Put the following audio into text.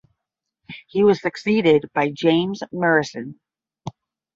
He was succeeded by James Murison.